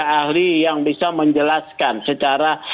ahli yang bisa menjelaskan secara